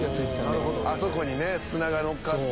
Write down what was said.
あそこにね砂が乗っかって。